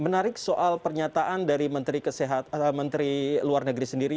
menarik soal pernyataan dari menteri luar negeri sendiri